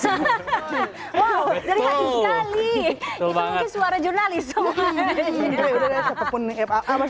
wow jadi hati sekali itu mungkin suara jurnalis